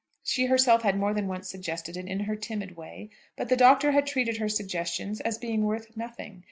She herself had more than once suggested it in her timid way, but the Doctor had treated her suggestions as being worth nothing.